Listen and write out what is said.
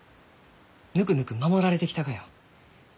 ぬくぬく守られてきたがよ。